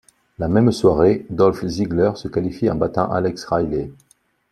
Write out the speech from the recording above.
La même soirée, Dolph Ziggler se qualifie en battant Alex Riley.